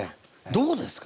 どうですか？